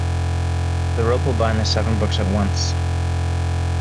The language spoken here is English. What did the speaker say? The rope will bind the seven books at once.